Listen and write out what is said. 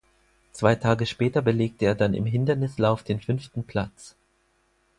Zwei Tage später belegte er dann im Hindernislauf den fünften Platz.